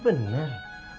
mertuanya bang ojak